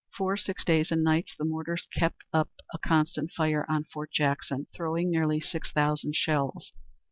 For six days and nights the mortars kept up a constant fire on Fort Jackson, throwing nearly six thousand shells.